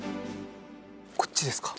こっちですか？